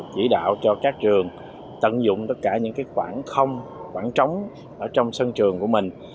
chỉ đạo cho các trường tận dụng tất cả những khoảng không khoảng trống ở trong sân trường của mình